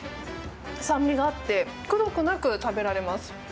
酸味があってくどくなく食べられます。